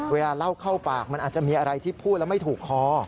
เวลาเล่าเข้าปากมันอาจจะมีอะไรที่พูดแล้วไม่ถูกคอ